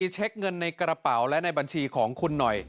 เช็คเงินในกระเป๋าและในบัญชีของคุณหน่อย